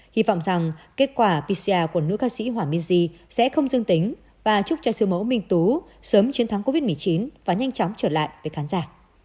hy vọng rằng kết quả pcr của nữ ca sĩ hỏa mini sẽ không dương tính và chúc cho siêu mẫu minh tú sớm chiến thắng covid một mươi chín và nhanh chóng trở lại với khán giả